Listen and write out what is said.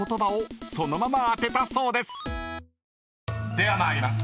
［では参ります。